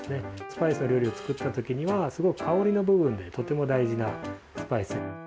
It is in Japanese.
スパイスの料理を作ったときにはすごく香りの部分でとても大事なスパイス。